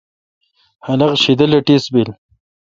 خلق شیدل اے ٹیس بیل۔